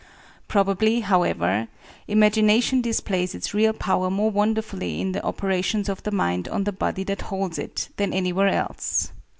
Probably, however, imagination displays its real power more wonderfully in the operations of the mind on the body that holds it, than anywhere else.